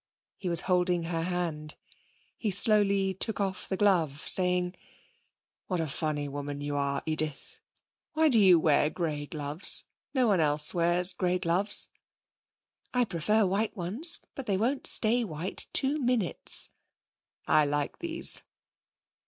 He was holding her hand. He slowly took off the glove, saying: 'What a funny woman you are, Edith. Why do you wear grey gloves? Nobody else wears grey gloves.' 'I prefer white ones, but they won't stay white two minutes' 'I like these.'